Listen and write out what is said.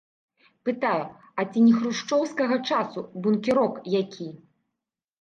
Пытаю, а ці не хрушчоўскага часу бункерок які.